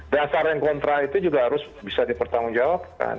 dasar yang kontra itu juga harus bisa dipertanggungjawabkan